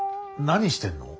何してんの？